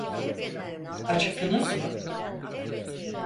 Acıktınız mı?